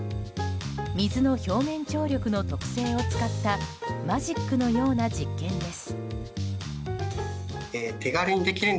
水の表面張力の特性を使ったマジックのような実験です。